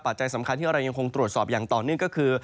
จัยสำคัญที่เรายังคงตรวจสอบอย่างต่อเนื่องก็คือ